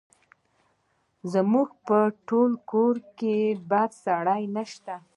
زموږ په ټوله کورنۍ کې بد سړی نه شته!